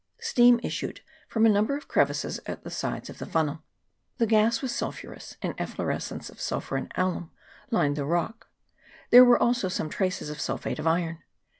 Steam issued from a number of crevices at the sides of the funnel ; the gas was sulphurous, and efflorescences of sulphur and alum lined the rock ; there were also some traces of sulphate of iron.